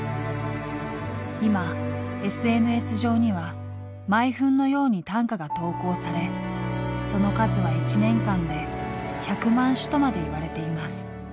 今ＳＮＳ上には毎分のように短歌が投稿されその数は１年間で１００万首とまで言われています。